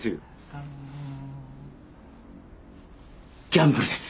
ギャンブルです。